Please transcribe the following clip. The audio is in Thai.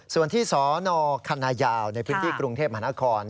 ส่วนที่สนคณะยาวในพื้นที่กรุงเทพมหานคร